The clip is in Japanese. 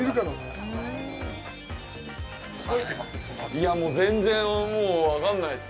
いや、もう全然分かんないです。